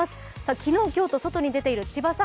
昨日、今日と外に出ている千葉さん